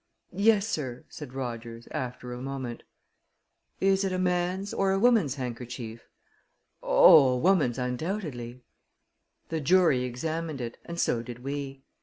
"Yes, sir," said Rogers, after a moment. "Is it a man's or a woman's handkerchief?" "Oh, a woman's undoubtedly." The jury examined it and so did we.